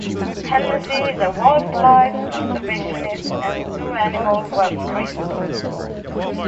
Hennesy is a wildlife conservationist and zoo animal welfarist.